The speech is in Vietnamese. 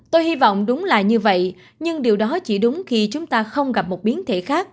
tôi hy vọng đúng là như vậy nhưng điều đó chỉ đúng khi chúng ta không gặp một biến thể khác